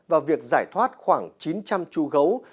vào việc giải thoát khoảng chín trăm linh chú gấu